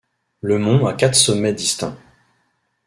Le mont a quatre sommets distincts.